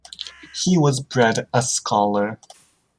He was bred a scholar.